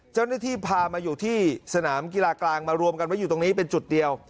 เจ้าหน้าที่พามาอยู่ที่สนามกีฬากลางมารวมกันไว้อยู่ตรงนี้เป็นจุดเดียว